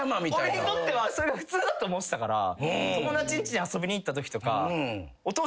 俺にとっては普通だと思ってたから友達んちに遊びに行ったときとか。